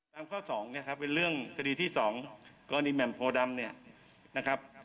ข้อ๒เนี่ยครับเป็นเรื่องคดีที่๒กรณีแหม่มโพดำเนี่ยนะครับ